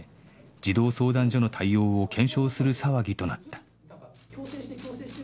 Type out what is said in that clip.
児童相談所の対応を検証する騒ぎとなった